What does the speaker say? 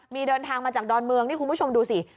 มีเดินทางมาจากดอนเมืองนี่คุณผู้ชมดูสิ